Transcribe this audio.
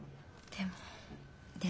でも？